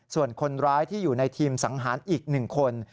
ส่วนคนร้ายที่อยู่ในทีมสังหารอีก๑คน